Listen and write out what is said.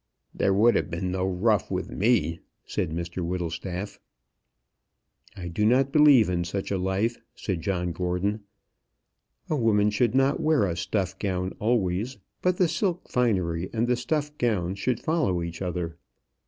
"There would have been no rough with me," said Mr Whittlestaff. "I do not believe in such a life," said John Gordon. "A woman should not wear a stuff gown always; but the silk finery and the stuff gown should follow each other.